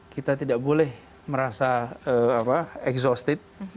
kita tidak boleh merasa exhausted